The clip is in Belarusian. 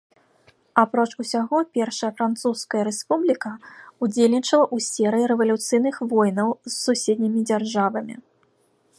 Апроч усяго першая французская рэспубліка ўдзельнічала ў серыі рэвалюцыйных войнаў з суседнімі дзяржавамі.